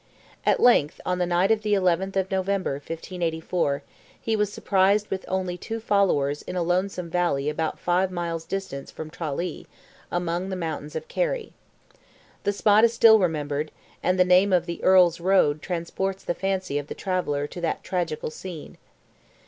At length, on the night of the 11th of November, 1584, he was surprised with only two followers in a lonesome valley about five miles distant from Tralee, among the mountains of Kerry. The spot is still remembered, and the name of "the Earl's road" transports the fancy of the traveller to that tragical scene.